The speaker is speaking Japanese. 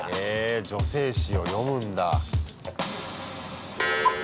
へえ女性誌を読むんだ。